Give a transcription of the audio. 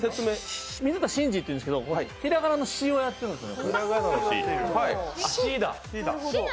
水田信二っていうんですけどひらがなの「し」をやってるんです。